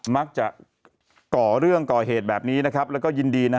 มักจะก่อเรื่องก่อเหตุแบบนี้นะครับแล้วก็ยินดีนะ